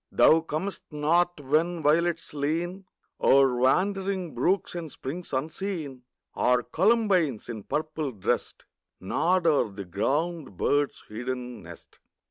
Thou comest not when violets lean O'er wandering brooks and springs unseen, Or columbines, in purple dressed, Nod o'er the ground bird's hidden nest.